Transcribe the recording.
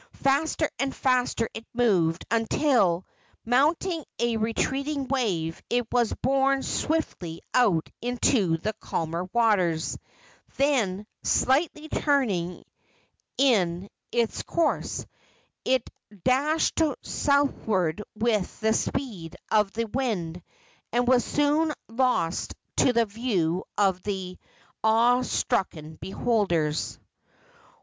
Faster and faster it moved, until, mounting a retreating wave, it was borne swiftly out into the calmer waters; then, slightly turning in its course, it dashed southward with the speed of the wind, and was soon lost to the view of the awe stricken beholders.